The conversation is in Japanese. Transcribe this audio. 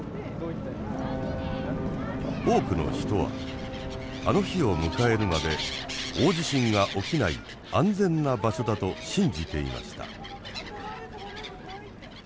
多くの人はあの日を迎えるまで大地震が起きない安全な場所だと信じていました。